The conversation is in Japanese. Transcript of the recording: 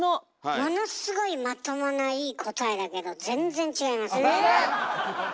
ものすごいまともないい答えだけど全然違います。